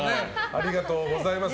ありがとうございます。